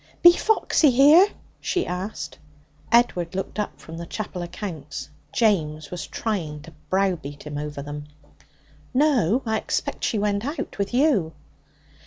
'Be Foxy here?' she asked. Edward looked up from the chapel accounts. James was trying to browbeat him over them. 'No. I expect she went out with you.'